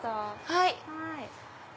はい。